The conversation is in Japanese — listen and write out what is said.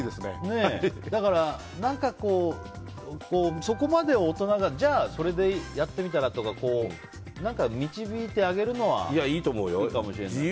だから、そこまで大人がじゃあそれでやってみたらとか導いてあげるのはいいかもしれないですね。